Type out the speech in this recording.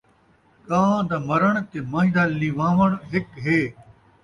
ڳان٘ھ دا مرݨ تے من٘جھ دا لِھواوݨ ہک ہے